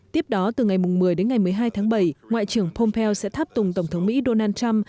tiếp đó từ ngày một mươi đến ngày một mươi hai tháng bảy ngoại trưởng pompeo sẽ tháp tùng tổng thống mỹ donald trump